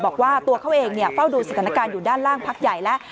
บอกว่าตัวเขาเองเฝ้าดูสถานการณ์อยู่ด้านล่างพักใหญ่แล้ว